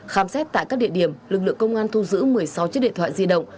khám xét tại các địa điểm lực lượng công an thu giữ một mươi sáu chiếc điện thoại di động